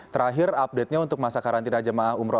terakhir update nya untuk masa karantina jemaah umroh